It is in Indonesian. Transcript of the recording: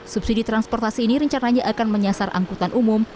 subsidi transportasi ini rencananya akan menyasar angkutan umum